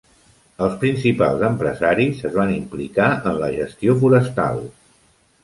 Els principals empresaris es van implicar en la gestió forestal.